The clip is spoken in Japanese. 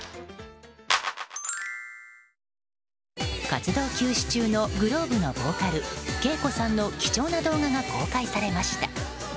活動休止中のｇｌｏｂｅのボーカルＫＥＩＫＯさんの貴重な動画が公開されました。